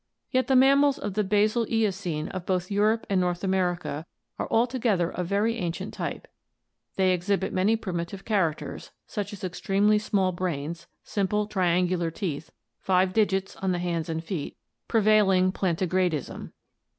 Yet the mammals of the basal Eocene of both Europe and North America are altogether of very ancient type; they exhibit many primitive characters, such as extremely small brains, simple, tri angular teeth, five digits on the hands and feet, prevailing planti gradism.